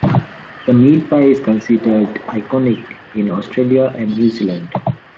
The meat pie is considered iconic in Australia and New Zealand.